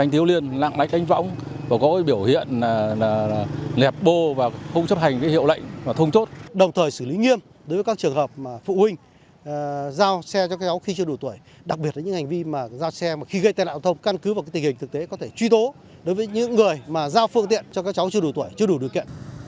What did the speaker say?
tình hình thực tế có thể truy tố đối với những người mà giao phương tiện cho các cháu chưa đủ tuổi chưa đủ được kiện